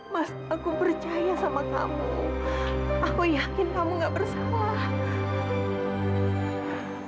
mas aku percaya sama kamu aku yakin kamu gak bersalah